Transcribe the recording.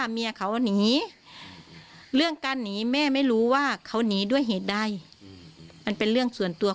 แม่ก็ปฏิบัติมานานแล้ว